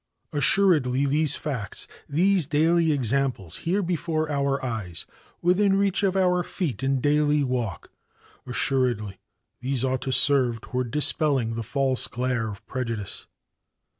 Assuredly these facts these daily examples here before our eyes, within reach of our feet in daily walk assuredly these ought to serve toward dispelling the false glare of prejudice.